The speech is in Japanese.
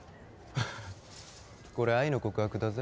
ハハハこれ愛の告白だぜ？